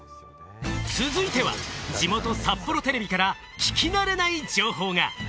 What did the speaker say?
続いては地元・札幌テレビから聞き慣れない情報が。